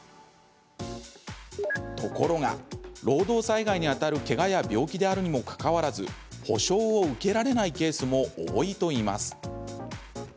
ところが、労働災害にあたるけがや病気であるにもかかわらず補償を受けられないケースも多いといいます。